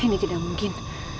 ini tidak mungkin